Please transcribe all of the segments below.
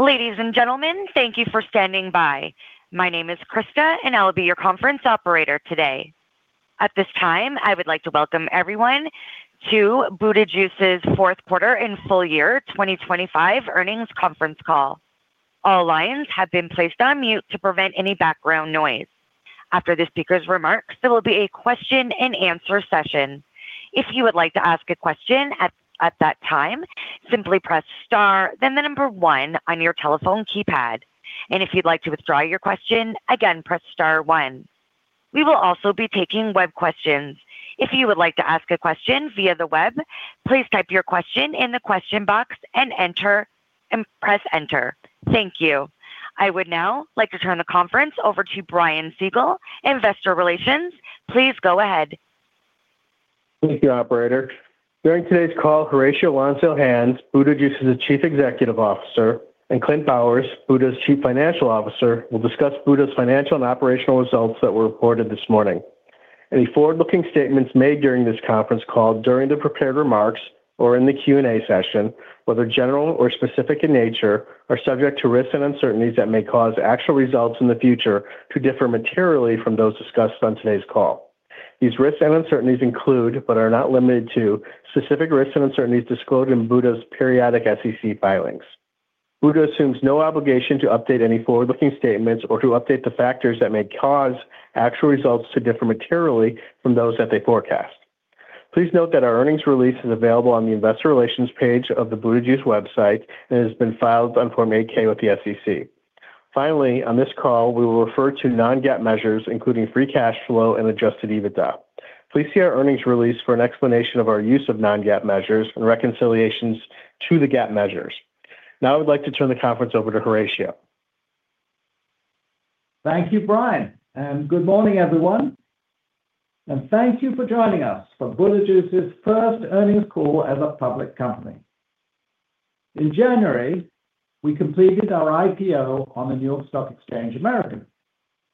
Ladies and gentlemen, thank you for standing by. My name is Krista, and I will be your conference operator today. At this time, I would like to welcome everyone to Buda Juice's fourth quarter and full year 2025 earnings conference call. All lines have been placed on mute to prevent any background noise. After the speaker's remarks, there will be a question-and-answer session. If you would like to ask a question at that time, simply press star then the number one on your telephone keypad. If you'd like to withdraw your question, again, press star one. We will also be taking web questions. If you would like to ask a question via the web, please type your question in the question box and enter and press enter. Thank you. I would now like to turn the conference over to Brian Siegel, Investor Relations. Please go ahead. Thank you, operator. During today's call, Horatio Lonsdale-Hands, Buda Juice's Chief Executive Officer, and Clint Bowers, Buda Juice's Chief Financial Officer, will discuss Buda Juice's financial and operational results that were reported this morning. Any forward-looking statements made during this conference call during the prepared remarks or in the Q&A session, whether general or specific in nature, are subject to risks and uncertainties that may cause actual results in the future to differ materially from those discussed on today's call. These risks and uncertainties include, but are not limited to, specific risks and uncertainties disclosed in Buda Juice's periodic SEC filings. Buda Juice assumes no obligation to update any forward-looking statements or to update the factors that may cause actual results to differ materially from those that they forecast. Please note that our earnings release is available on the investor relations page of the Buda Juice website and has been filed on Form 8-K with the SEC. Finally, on this call, we will refer to non-GAAP measures, including free cash flow and adjusted EBITDA. Please see our earnings release for an explanation of our use of non-GAAP measures and reconciliations to the GAAP measures. Now I would like to turn the conference over to Horatio. Thank you, Brian, and good morning, everyone. Thank you for joining us for Buda Juice's first earnings call as a public company. In January, we completed our IPO on the NYSE American.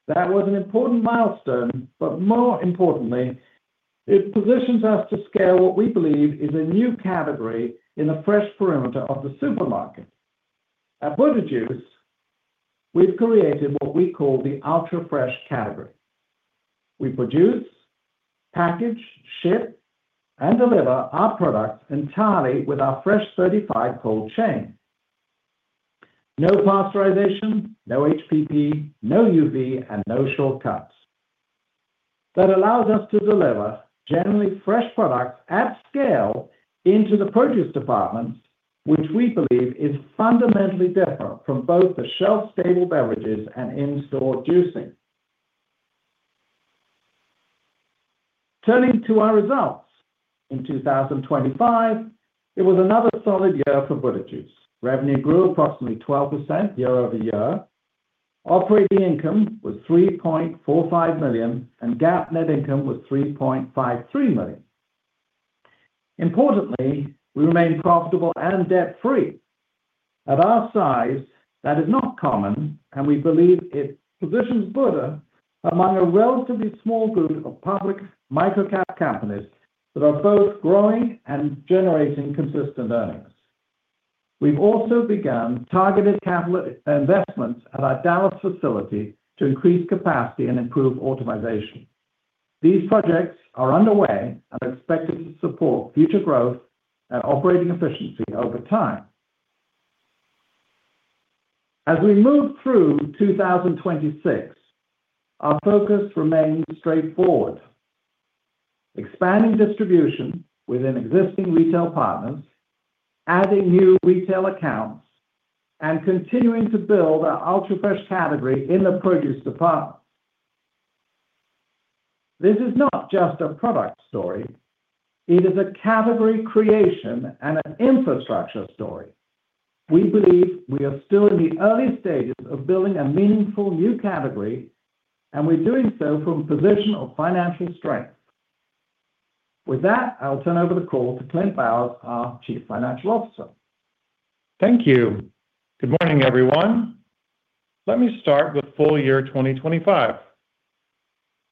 That was an important milestone, but more importantly, it positions us to scale what we believe is a new category in the fresh perimeter of the supermarket. At Buda Juice, we've created what we call the ultra-fresh category. We produce, package, ship, and deliver our products entirely with our fresh certified cold chain. No pasteurization, no HPP, no UV, and no shortcuts. That allows us to deliver genuinely fresh products at scale into the produce departments, which we believe is fundamentally different from both the shelf-stable beverages and in-store juicing. Turning to our results. In 2025, it was another solid year for Buda Juice. Revenue grew approximately 12% year-over-year. Operating income was $3.45 million, and GAAP net income was $3.53 million. Importantly, we remain profitable and debt-free. At our size, that is not common, and we believe it positions Buda among a relatively small group of public micro-cap companies that are both growing and generating consistent earnings. We've also begun targeted capital investments at our Dallas facility to increase capacity and improve automation. These projects are underway and expected to support future growth and operating efficiency over time. As we move through 2026, our focus remains straightforward, expanding distribution within existing retail partners, adding new retail accounts, and continuing to build our ultra-fresh category in the produce department. This is not just a product story. It is a category creation and an infrastructure story. We believe we are still in the early stages of building a meaningful new category, and we're doing so from a position of financial strength. With that, I'll turn over the call to Clint Bowers, our Chief Financial Officer. Thank you. Good morning, everyone. Let me start with full year 2025.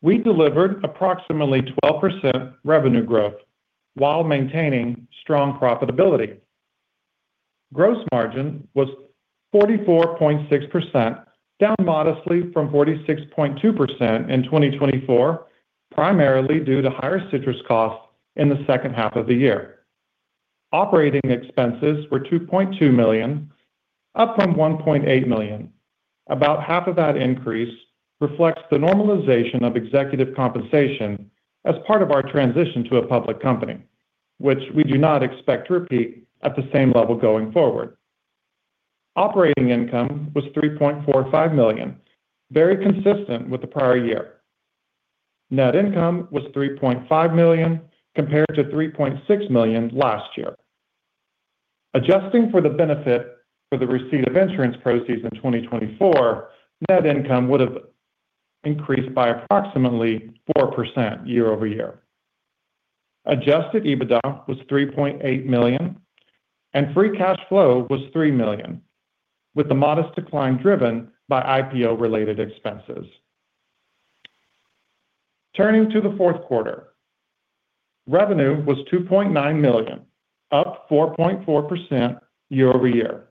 We delivered approximately 12% revenue growth while maintaining strong profitability. Gross margin was 44.6%, down modestly from 46.2% in 2024, primarily due to higher citrus costs in the second half of the year. Operating expenses were $2.2 million, up from $1.8 million. About half of that increase reflects the normalization of executive compensation as part of our transition to a public company, which we do not expect to repeat at the same level going forward. Operating income was $3.45 million, very consistent with the prior year. Net income was $3.5 million, compared to $3.6 million last year. Adjusting for the benefit for the receipt of insurance proceeds in 2024, net income would have increased by approximately 4% year-over-year. Adjusted EBITDA was $3.8 million, and free cash flow was $3 million, with the modest decline driven by IPO-related expenses. Turning to the fourth quarter. Revenue was $2.9 million, up 4.4% year-over-year.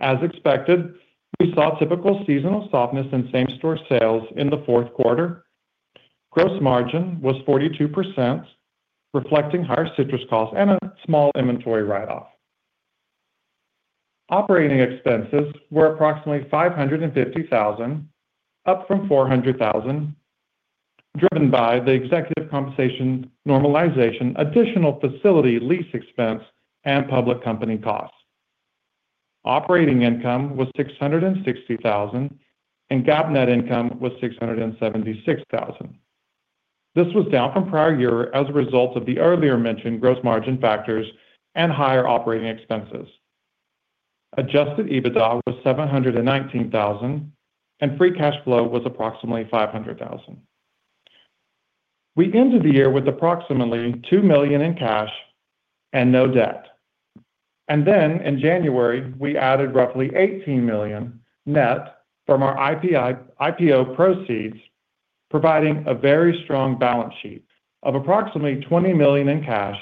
As expected, we saw typical seasonal softness in same-store sales in the fourth quarter. Gross margin was 42%, reflecting higher citrus costs and a small inventory write-off. Operating expenses were approximately $550,000, up from $400,000, driven by the executive compensation normalization, additional facility lease expense, and public company costs. Operating income was $660,000, and GAAP net income was $676,000. This was down from prior year as a result of the earlier mentioned gross margin factors and higher operating expenses. Adjusted EBITDA was $719,000, and free cash flow was approximately $500,000. We ended the year with approximately $2 million in cash and no debt. Then in January, we added roughly $18 million net from our IPO proceeds, providing a very strong balance sheet of approximately $20 million in cash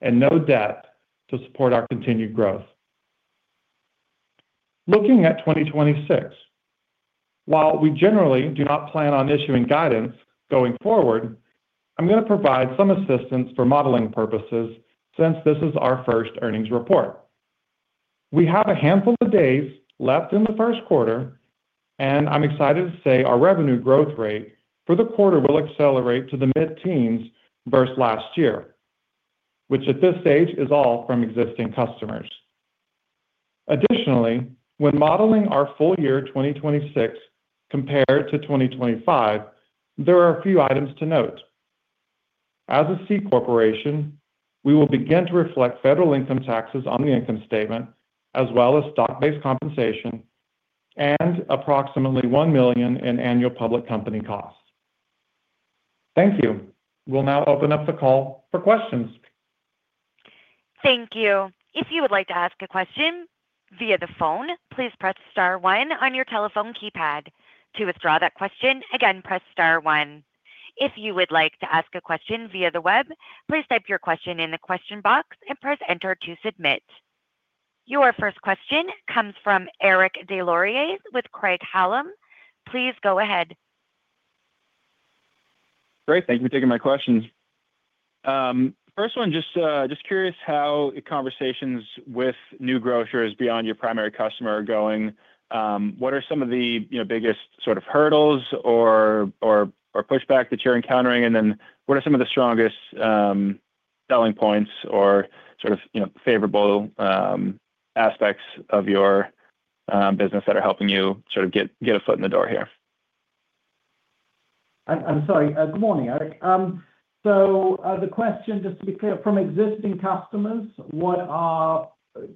and no debt to support our continued growth. Looking at 2026, while we generally do not plan on issuing guidance going forward, I'm gonna provide some assistance for modeling purposes since this is our first earnings report. We have a handful of days left in Q1, and I'm excited to say our revenue growth rate for the quarter will accelerate to the mid-teens versus last year, which at this stage is all from existing customers. Additionally, when modeling our full year 2026 compared to 2025, there are a few items to note. As a C corporation, we will begin to reflect federal income taxes on the income statement as well as stock-based compensation and approximately $1 million in annual public company costs. Thank you. We'll now open up the call for questions. Thank you. If you would like to ask a question via the phone, please press star one on your telephone keypad. To withdraw that question, again press star one. If you would like to ask a question via the web, please type your question in the question box and press enter to submit. Your first question comes from Eric Des Lauriers with Craig-Hallum. Please go ahead. Great. Thank you for taking my questions. First one, just curious how conversations with new grocers beyond your primary customer are going. What are some of the, you know, biggest sort of hurdles or pushback that you're encountering? What are some of the strongest selling points or sort of, you know, favorable aspects of your business that are helping you sort of get a foot in the door here? I'm sorry. Good morning, Eric. The question, just to be clear, from existing customers, what are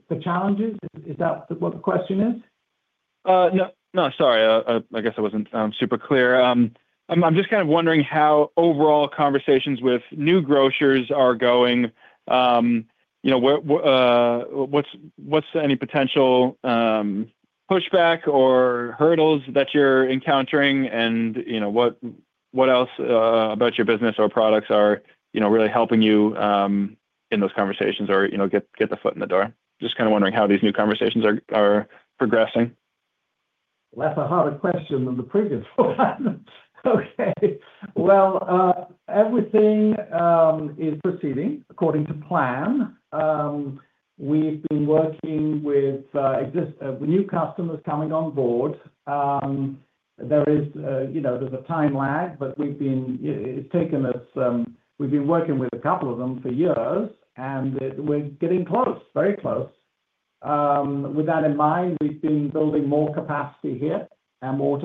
the challenges? Is that what the question is? No, no. Sorry. I guess I wasn't super clear. I'm just kind of wondering how overall conversations with new grocers are going. You know, what's any potential pushback or hurdles that you're encountering and, you know, what else about your business or products are really helping you in those conversations or, you know, get the foot in the door? Just kinda wondering how these new conversations are progressing. Well, that's a harder question than the previous one. Okay. Well, everything is proceeding according to plan. We've been working with new customers coming on board. There is, you know, a time lag, but it's taken us. We've been working with a couple of them for years, and we're getting close. Very close. With that in mind, we've been building more capacity here and more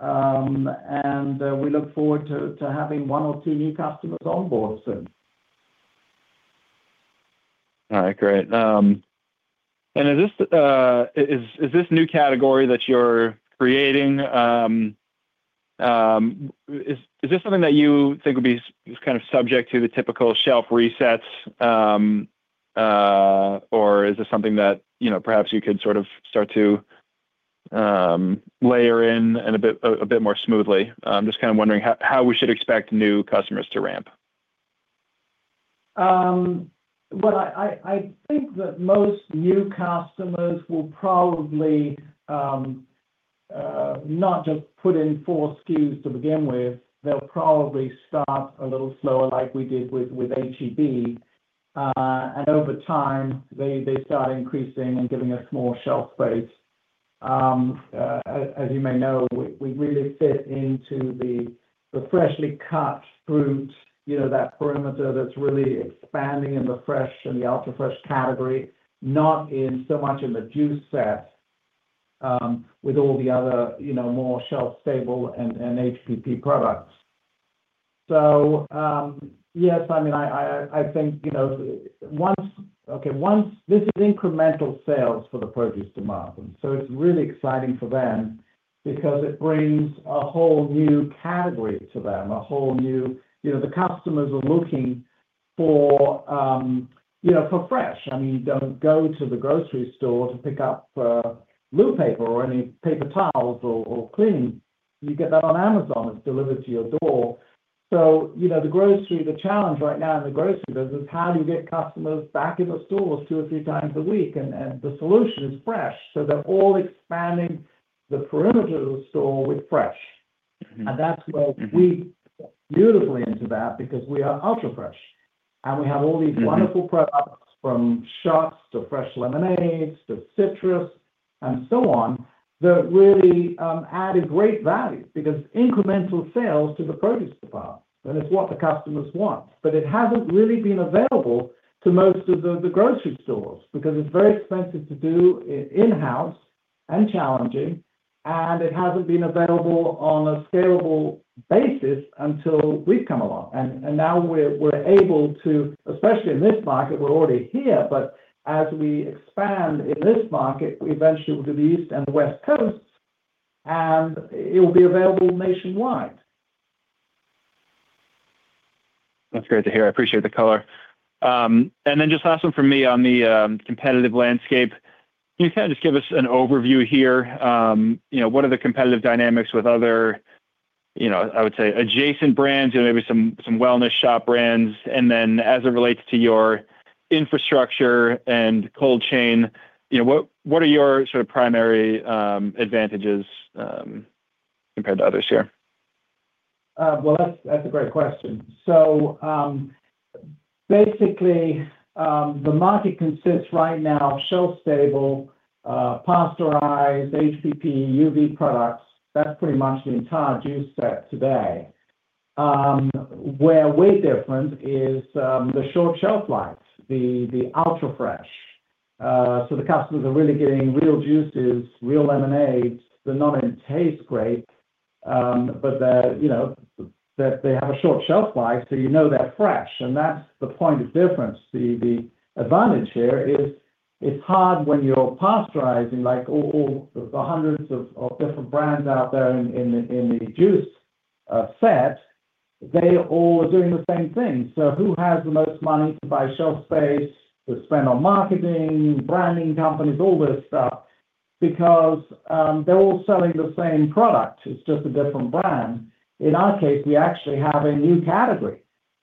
automation. We look forward to having one or two new customers on board soon. All right. Great. Is this new category that you're creating, is this something that you think would be kind of subject to the typical shelf resets, or is this something that, you know, perhaps you could sort of start to layer in a bit more smoothly? I'm just kind of wondering how we should expect new customers to ramp. I think that most new customers will probably not just put in four SKUs to begin with. They'll probably start a little slower like we did with H-E-B. Over time, they start increasing and giving us more shelf space. As you may know, we really fit into the freshly cut fruit, you know, that perimeter that's really expanding in the fresh and the ultra-fresh category, not in so much in the juice set, with all the other, you know, more shelf-stable and HPP products. Yes, I mean, I think, you know, once this is incremental sales for the produce department, so it's really exciting for them because it brings a whole new category to them, a whole new category. You know, the customers are looking. You know, for fresh. I mean, you don't go to the grocery store to pick up toilet paper or any paper towels or cleaning. You get that on Amazon. It's delivered to your door. You know, the grocery, the challenge right now in the grocery business is how do you get customers back in the stores two or three times a week? The solution is fresh. They're all expanding the perimeter of the store with fresh. Mm-hmm. That's where we fit beautifully into that because we are ultra-fresh. We have all these- Mm-hmm wonderful products from shots to fresh lemonades to citrus and so on that really add a great value because incremental sales to the produce department, and it's what the customers want. But it hasn't really been available to most of the grocery stores because it's very expensive to do in-house and challenging, and it hasn't been available on a scalable basis until we've come along. Now we're able to, especially in this market, we're already here, but as we expand in this market, we eventually will do the East and West Coasts, and it will be available nationwide. That's great to hear. I appreciate the color. Just last one from me on the competitive landscape. Can you kind of just give us an overview here, you know, what are the competitive dynamics with other, you know, I would say adjacent brands, you know, maybe some wellness shop brands? As it relates to your infrastructure and cold chain, you know, what are your sort of primary advantages compared to others here? Well, that's a great question. Basically, the market consists right now of shelf-stable, pasteurized HPP, UV products. That's pretty much the entire juice set today. Where we're different is the short shelf life, the ultra-fresh. The customers are really getting real juices, real lemonades. They're not only taste great, but they're, you know, that they have a short shelf life, so you know they're fresh. That's the point of difference. The advantage here is it's hard when you're pasteurizing like all the hundreds of different brands out there in the juice set. They all are doing the same thing. Who has the most money to buy shelf space, to spend on marketing, branding companies, all this stuff because they're all selling the same product. It's just a different brand. In our case, we actually have a new category,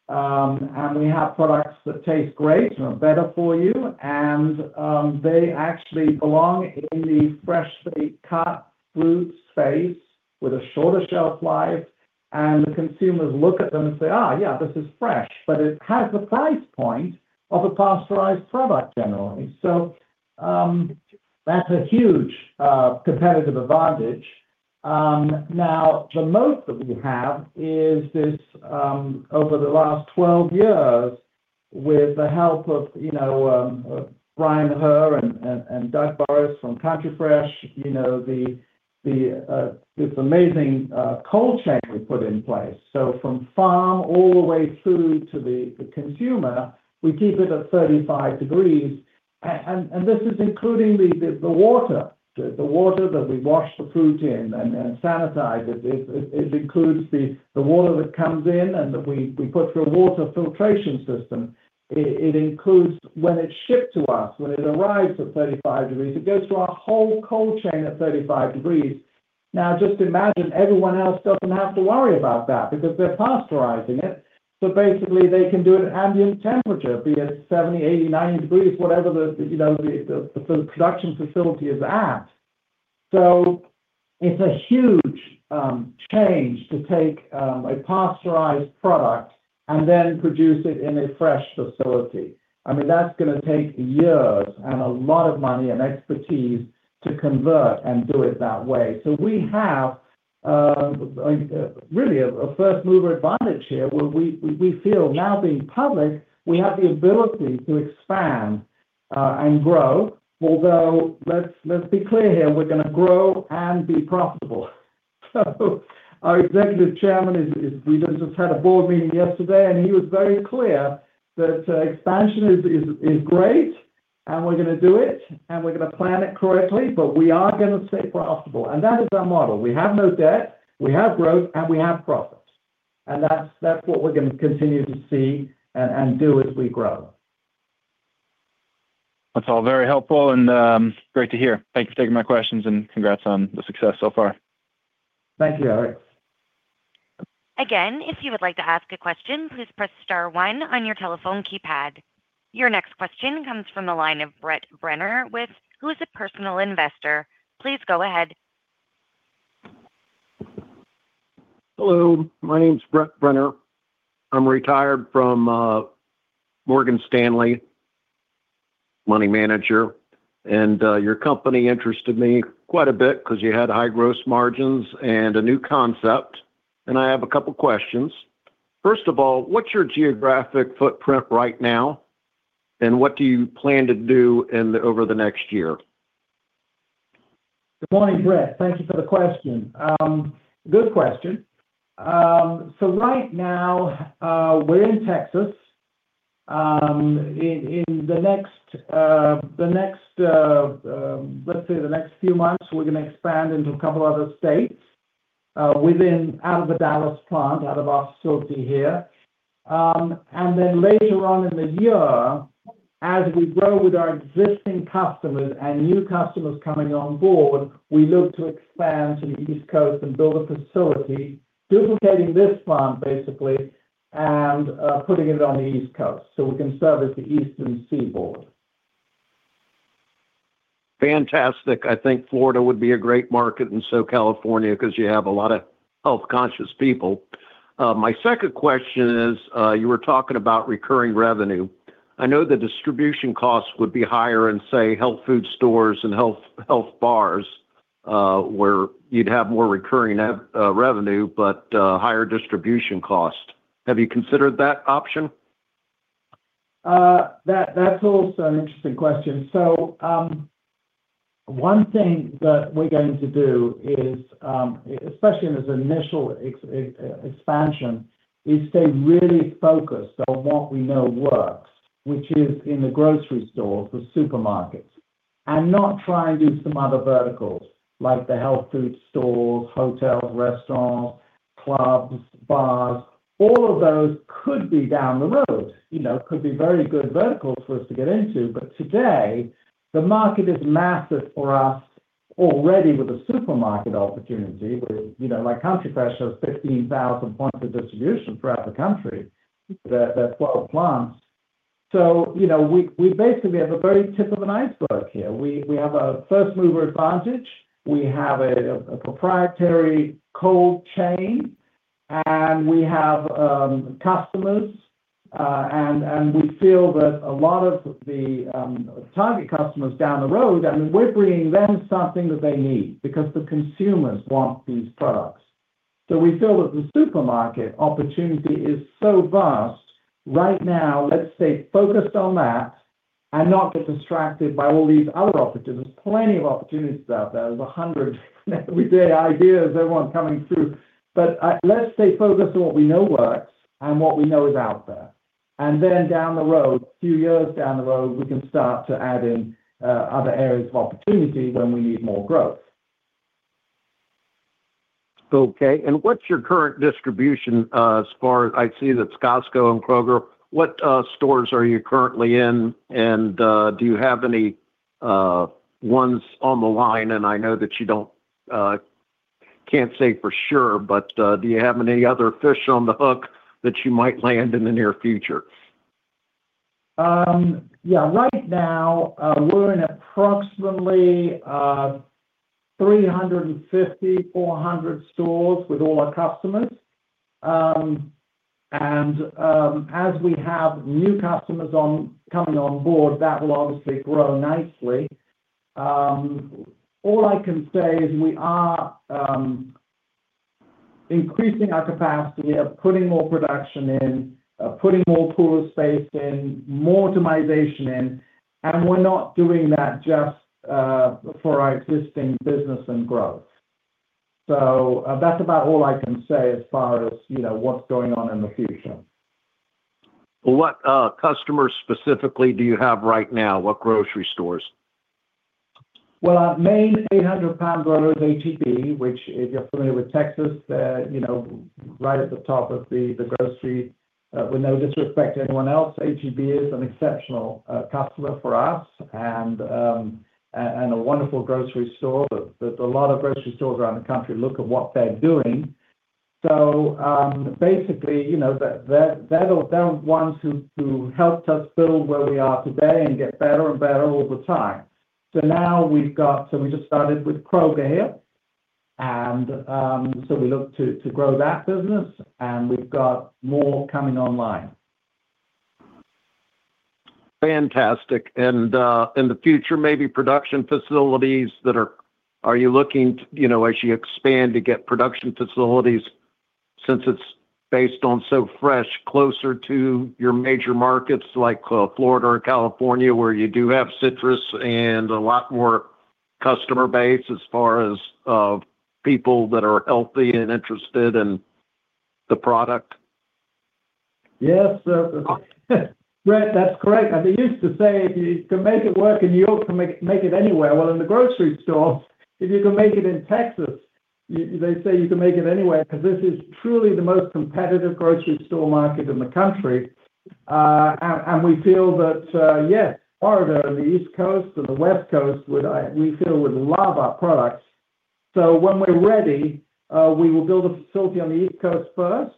and we have products that taste great and are better for you. They actually belong in the freshly cut fruit space with a shorter shelf life, and the consumers look at them and say, "yeah, this is fresh." It has the price point of a pasteurized product generally. That's a huge competitive advantage. Now the moat that we have is this, over the last 12 years, with the help of, you know, Bryan Herr and Doug Burris from Country Fresh, you know, this amazing cold chain we put in place. From farm all the way through to the consumer, we keep it at 35 degrees Fahrenheit. This is including the water. The water that we wash the fruit in and sanitize it. It includes the water that comes in and that we put through a water filtration system. It includes when it's shipped to us, when it arrives at 35 degrees Fahrenheit, it goes through our whole cold chain at 35 degrees Fahrenheit. Now, just imagine everyone else doesn't have to worry about that because they're pasteurizing it. So basically, they can do it at ambient temperature, be it 70 degrees, 80 degrees, 90 degrees, whatever you know the production facility is at. So it's a huge change to take a pasteurized product and then produce it in a fresh facility. I mean, that's gonna take years and a lot of money and expertise to convert and do it that way. We have a really first-mover advantage here, where we feel now being public, we have the ability to expand and grow. Although, let's be clear here, we're gonna grow and be profitable. Our Executive Chairman. We just had a board meeting yesterday, and he was very clear that expansion is great, and we're gonna do it, and we're gonna plan it correctly, but we are gonna stay profitable. That is our model. We have no debt, we have growth, and we have profits. That's what we're gonna continue to see and do as we grow. That's all very helpful and, great to hear. Thank you for taking my questions and congrats on the success so far. Thank you, Eric. Again, if you would like to ask a question, please press star one on your telephone keypad. Your next question comes from the line of Brett Brenner, a personal investor. Please go ahead. Hello. My name's Brett Brenner. I'm retired from Morgan Stanley, money manager. Your company interested me quite a bit because you had high gross margins and a new concept. I have a couple questions. First of all, what's your geographic footprint right now? What do you plan to do over the next year? Good morning, Brett. Thank you for the question. Good question. Right now, we're in Texas. In the next few months, we're gonna expand into a couple other states within out of the Dallas plant, out of our facility here. Later on in the year, as we grow with our existing customers and new customers coming on board, we look to expand to the East Coast and build a facility duplicating this plant, basically, and putting it on the East Coast, so we can service the eastern seaboard. Fantastic. I think Florida would be a great market, and so California, 'cause you have a lot of health-conscious people. My second question is, you were talking about recurring revenue. I know the distribution costs would be higher in, say, health food stores and health bars, where you'd have more recurring revenue, but higher distribution cost. Have you considered that option? That's also an interesting question. One thing that we're going to do is especially in this initial expansion, stay really focused on what we know works, which is in the grocery stores, the supermarkets, not try and do some other verticals like the health food stores, hotels, restaurants, clubs, bars. All of those could be down the road, you know, could be very good verticals for us to get into. Today, the market is massive for us already with the supermarket opportunity with, you know, like Country Fresh has 15,000 points of distribution throughout the country. They're 12 plants. You know, we basically have the very tip of an iceberg here. We have a first mover advantage. We have a proprietary cold chain, and we have customers, and we feel that a lot of the target customers down the road. I mean, we're bringing them something that they need because the consumers want these products. We feel that the supermarket opportunity is so vast right now. Let's stay focused on that and not get distracted by all these other opportunities. There's plenty of opportunities out there. There's 100 every day ideas everyone coming through. Let's stay focused on what we know works and what we know is out there. Then down the road, a few years down the road, we can start to add in other areas of opportunity when we need more growth. Okay. What's your current distribution? I see that's Costco and Kroger. What stores are you currently in? Do you have any ones on the line? I know that you can't say for sure, but do you have any other fish on the hook that you might land in the near future? Yeah. Right now, we're in approximately 350-400 stores with all our customers. As we have new customers coming on board, that will obviously grow nicely. All I can say is we are increasing our capacity of putting more production in, putting more cooler space in, more automation in, and we're not doing that just for our existing business and growth. That's about all I can say as far as, you know, what's going on in the future. What customers specifically do you have right now? What grocery stores? Well, our main 800 lbs is H-E-B, which if you're familiar with Texas, they're, you know, right at the top of the grocery. With no disrespect to anyone else, H-E-B is an exceptional customer for us and a wonderful grocery store that a lot of grocery stores around the country look at what they're doing. Basically, you know, they're the ones who helped us build where we are today and get better and better all the time. We just started with Kroger here, and we look to grow that business, and we've got more coming online. Fantastic. In the future, are you looking to, you know, as you expand, to get production facilities, since it's based on So Fresh, closer to your major markets like Florida and California, where you do have citrus and a lot more customer base as far as people that are healthy and interested in the product? Yes. Brett, that's correct. As we used to say, if you can make it work in New York, you can make it anywhere. Well, in the grocery stores, if you can make it in Texas, they say you can make it anywhere because this is truly the most competitive grocery store market in the country. We feel that yes, Florida and the East Coast and the West Coast would love our products. When we're ready, we will build a facility on the East Coast first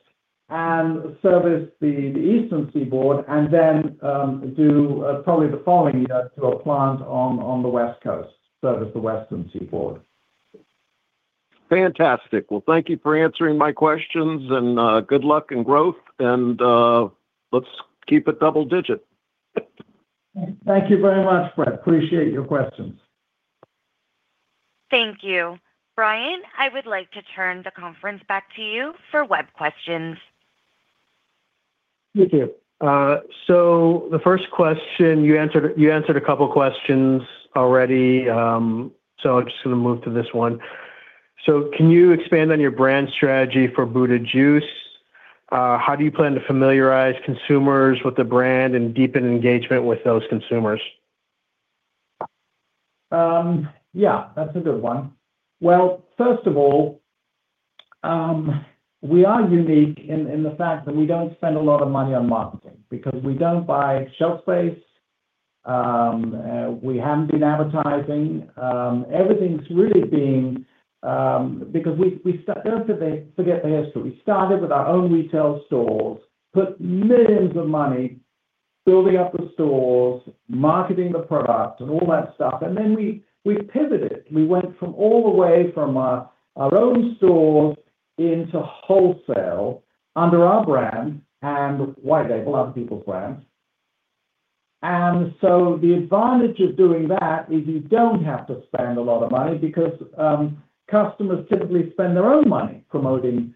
and service the Eastern Seaboard and then probably the following year do a plant on the West Coast, service the Western Seaboard. Fantastic. Well, thank you for answering my questions, and good luck in growth, and let's keep it double digit. Thank you very much, Brett. I appreciate your questions. Thank you. Brian, I would like to turn the conference back to you for web questions. Thank you. So the first question, you answered a couple questions already, so I'm just gonna move to this one. Can you expand on your brand strategy for Buda Juice? How do you plan to familiarize consumers with the brand and deepen engagement with those consumers? Yeah, that's a good one. Well, first of all, we are unique in the fact that we don't spend a lot of money on marketing because we don't buy shelf space. We haven't been advertising. Everything's really been because we don't forget the history. We started with our own retail stores, put millions of money building up the stores, marketing the product, and all that stuff. We pivoted. We went all the way from our own stores into wholesale under our brand and white label, other people's brands. The advantage of doing that is you don't have to spend a lot of money because customers typically spend their own money promoting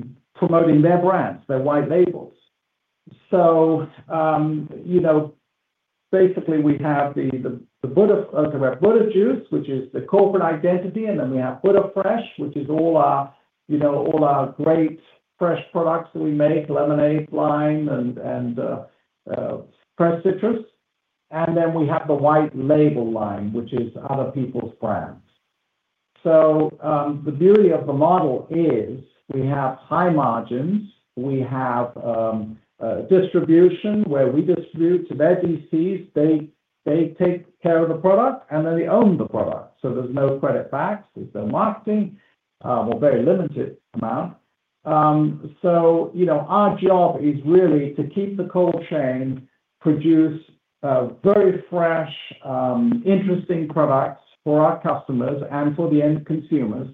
their brands, their white labels. You know, basically, we have the Buda, the Red Buda juice, which is the corporate identity, and then we have Buda Fresh, which is all our, you know, all our great fresh products that we make, lemonade line and fresh citrus. Then we have the white label line, which is other people's brands. The beauty of the model is we have high margins. We have distribution where we distribute to DCs. They take care of the product, and then they own the product. There's no credit risk. There's no marketing, or very limited amount. You know, our job is really to keep the cold chain, produce very fresh, interesting products for our customers and for the end consumers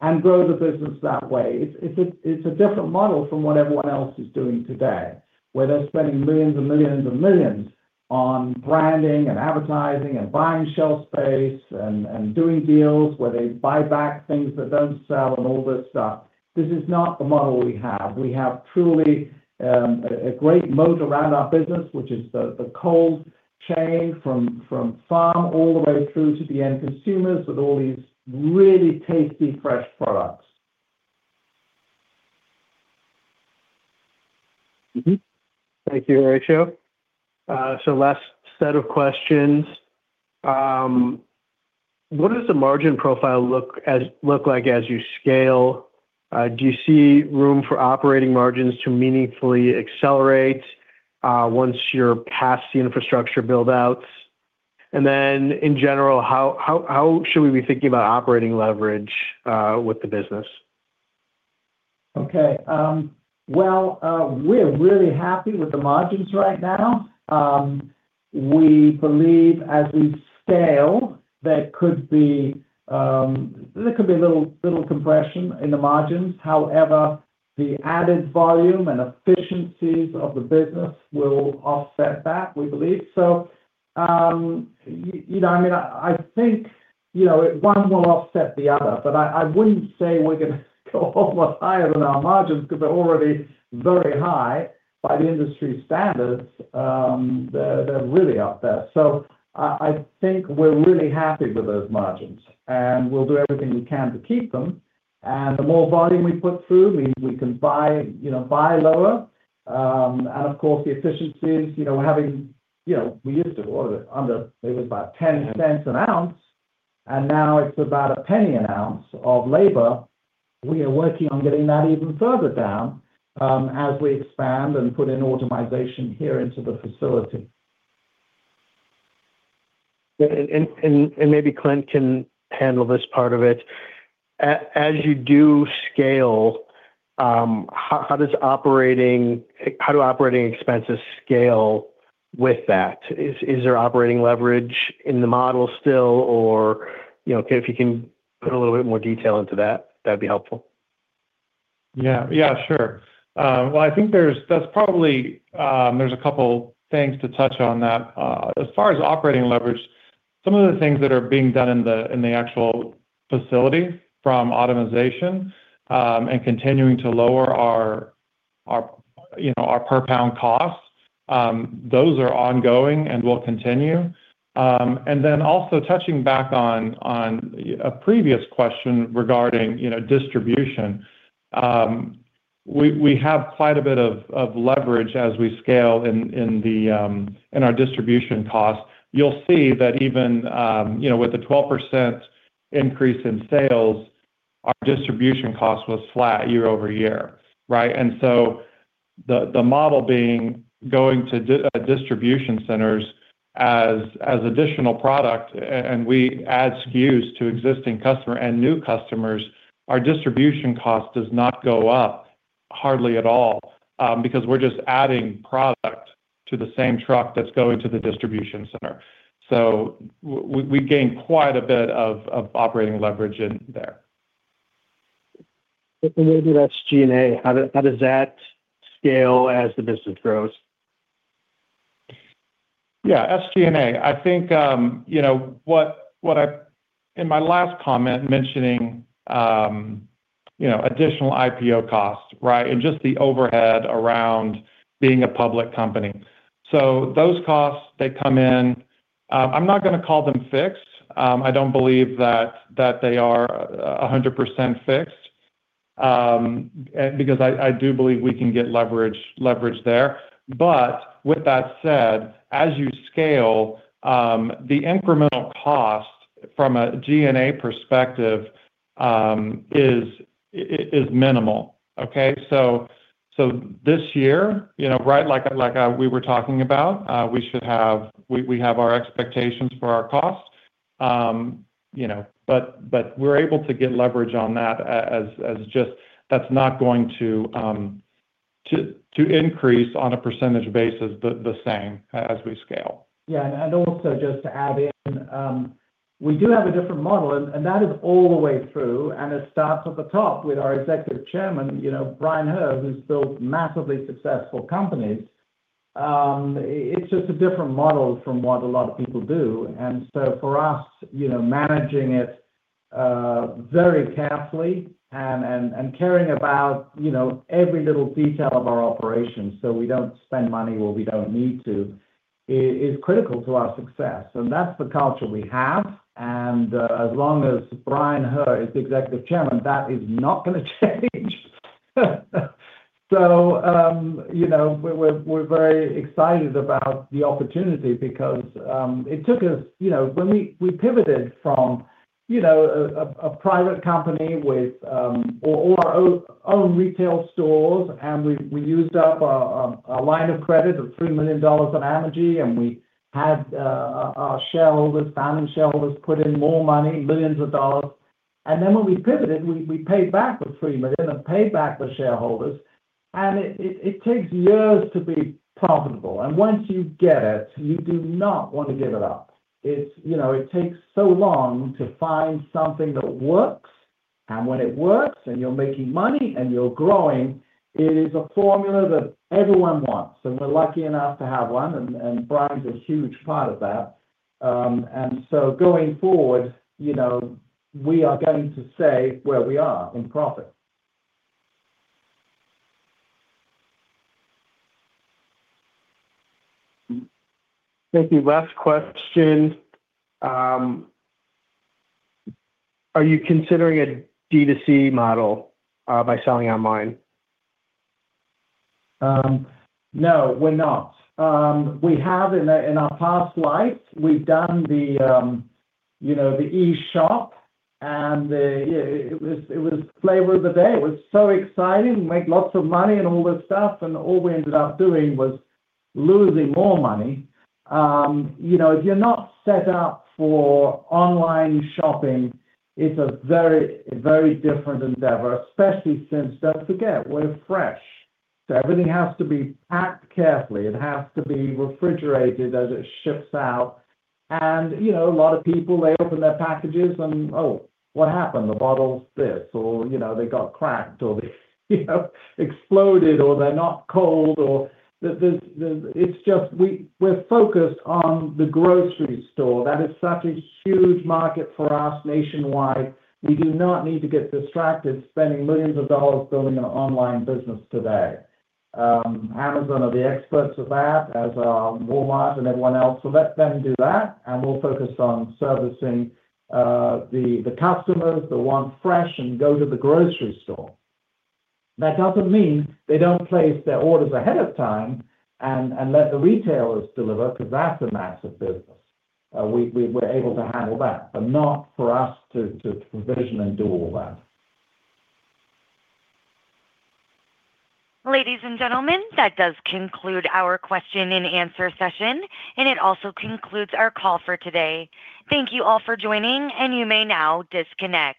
and grow the business that way. It's a different model from what everyone else is doing today, where they're spending millions and millions and millions on branding and advertising and buying shelf space and doing deals where they buy back things that don't sell and all this stuff. This is not the model we have. We have truly a great moat around our business, which is the cold chain from farm all the way through to the end consumers with all these really tasty, fresh products. Thank you, Horatio. Last set of questions. What does the margin profile look like as you scale? Do you see room for operating margins to meaningfully accelerate once you're past the infrastructure build-outs? In general, how should we be thinking about operating leverage with the business? Okay. Well, we're really happy with the margins right now. We believe as we scale, there could be a little compression in the margins. However, the added volume and efficiencies of the business will offset that, we believe. You know, I mean, I think, you know, one will offset the other. I wouldn't say we're gonna go a lot higher than our margins because they're already very high by the industry standards. They're really up there. I think we're really happy with those margins, and we'll do everything we can to keep them. The more volume we put through, we can buy, you know, buy lower. Of course, the efficiencies, you know, having, you know, we used to order under, it was about $0.10 an ounce, and now it's about $0.01 an ounce of labor. We are working on getting that even further down, as we expand and put in automation here into the facility. Yeah. Maybe Clint can handle this part of it. As you do scale, how do operating expenses scale with that? Is there operating leverage in the model still? Or, you know, if you can put a little bit more detail into that'd be helpful. Well, I think that's probably a couple things to touch on that. As far as operating leverage, some of the things that are being done in the actual facility from automation, and continuing to lower our, you know, our per pound costs, those are ongoing and will continue. And then also touching back on a previous question regarding, you know, distribution. We have quite a bit of leverage as we scale in the in our distribution costs. You'll see that even, you know, with the 12% increase in sales, our distribution cost was flat year-over-year, right? The model being going to distribution centers as additional product, and we add SKUs to existing customer and new customers, our distribution cost does not go up hardly at all, because we're just adding product to the same truck that's going to the distribution center. We gain quite a bit of operating leverage in there. Maybe that's G&A. How does that scale as the business grows? Yeah, SG&A. I think you know. In my last comment mentioning you know, additional IPO costs, right? Just the overhead around being a public company. Those costs, they come in. I'm not gonna call them fixed. I don't believe that they are 100% fixed. Because I do believe we can get leverage there. With that said, as you scale, the incremental cost from a G&A perspective is minimal. Okay? This year, you know, right, like we were talking about, we have our expectations for our costs. You know, but we're able to get leverage on that as just that's not going to to increase on a percentage basis the same as we scale. Yeah. Also just to add in, we do have a different model, and that is all the way through, and it starts at the top with our Executive Chairman, you know, Bryan Herr, who's built massively successful companies. It's just a different model from what a lot of people do. For us, you know, managing it very carefully and caring about, you know, every little detail of our operations so we don't spend money where we don't need to is critical to our success. That's the culture we have. As long as Bryan Herr is the Executive Chairman, that is not gonna change. You know, we're very excited about the opportunity because it took us. You know, when we pivoted from you know a private company with or our own retail stores, and we used up a line of credit of $3 million on Amegy Bank, and we had our shareholders, founding shareholders put in more money, millions of dollars. Then when we pivoted, we paid back the $3 million and paid back the shareholders. It takes years to be profitable. Once you get it, you do not want to give it up. It's you know it takes so long to find something that works. When it works and you're making money and you're growing, it is a formula that everyone wants, and we're lucky enough to have one, and Brian's a huge part of that. Going forward, you know, we are going to stay where we are in profit. Thank you. Last question. Are you considering a D2C model, by selling online? No, we're not. We have in our past life, we've done you know, the e-shop and the. It was flavor of the day. It was so exciting. We make lots of money and all this stuff, and all we ended up doing was losing more money. You know, if you're not set up for online shopping, it's a very, very different endeavor, especially since, don't forget, we're fresh. Everything has to be packed carefully. It has to be refrigerated as it ships out. You know, a lot of people, they open their packages and, oh, what happened? The bottle's this or, you know, they got cracked or they, you know, exploded or they're not cold or. It's just we're focused on the grocery store. That is such a huge market for us nationwide. We do not need to get distracted spending millions of dollars building an online business today. Amazon are the experts of that, as are Walmart and everyone else. Let them do that, and we'll focus on servicing the customers that want fresh and go to the grocery store. That doesn't mean they don't place their orders ahead of time and let the retailers deliver because that's a massive business. We were able to handle that, but not for us to provision and do all that. Ladies and gentlemen, that does conclude our question and answer session, and it also concludes our call for today. Thank you all for joining, and you may now disconnect.